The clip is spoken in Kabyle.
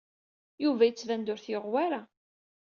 Yuba yettban-d ur t-yuɣ wara.